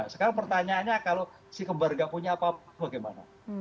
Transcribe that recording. sekarang pertanyaannya kalau si kembar nggak punya apa apa bagaimana